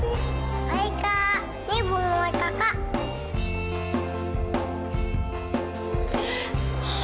ini bunga kakak